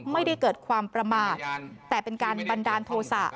ไม่ได้เกิดความประมาทแต่เป็นการบันดาลโทษะ